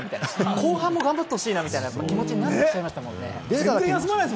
後半も頑張ってほしいなみたいな気持ちになってきちゃいましたね。